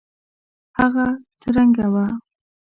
هغه څه رنګه وه.